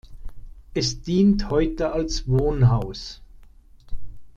Es dient heute als Wohnhaus.